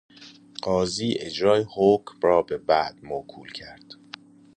قاضی اجرای حکم را به بعد موکول کرد.